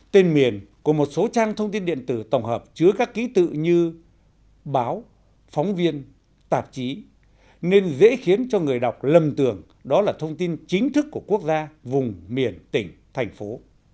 tên miền của một số trang thông tin điện tử tổng hợp chứa các ký tự như báo phóng viên tạp chí nên dễ khiến cho người đọc lầm tưởng đó là thông tin chính thức của quốc gia vùng miền tỉnh thành phố